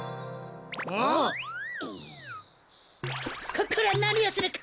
ここらなにをするか！